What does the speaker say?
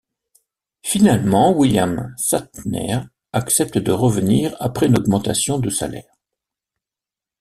Finalement William Shatner accepte de revenir après une augmentation de salaire.